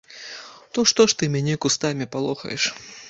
То што ж ты мяне кустамі палохаеш?